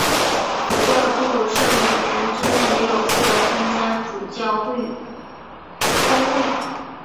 主教祝圣两年之内没有资格参加主教公会。